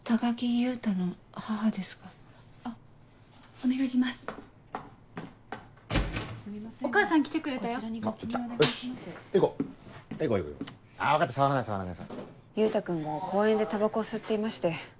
優太君が公園でタバコを吸っていまして。